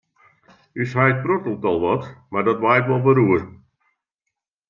Us heit prottelet al wat, mar dat waait wol wer oer.